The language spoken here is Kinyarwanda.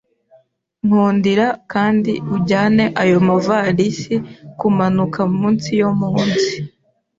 Nkundira kandi ujyane ayo mavalisi kumanuka munsi yo munsi.